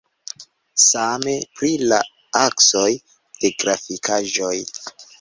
Same pri la aksoj de grafikaĵoj.